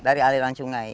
dari aliran sungai